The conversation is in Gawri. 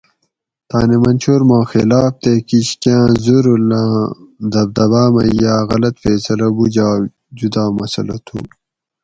تانی منشور ما خلاف تے کِش کاۤں زورول آں دبدباۤ مئ یاۤ غلط فیصلہ بوجاگ جُدا مسلہ تھُو